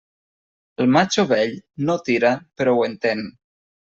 El matxo vell no tira però ho entén.